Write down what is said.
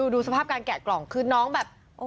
ดูสภาพการแกะกล่องคือน้องแบบ